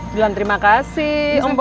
jangan terima kasih om bo